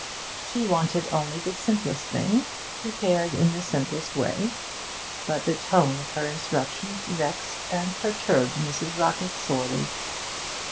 She wanted only the simplest things, prepared in the simplest way, but the tone of her instructions vexed and perturbed Mrs. Rockett sorely.